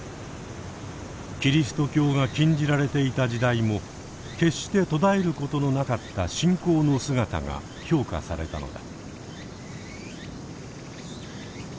キリスト教が禁じられていた時代も決して途絶えることのなかった信仰の姿が評価されたのだ。